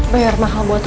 bayar mahal buat apa